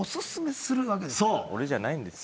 俺じゃないんですよ。